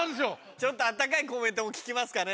ちょっと温かいコメントも聞きますかね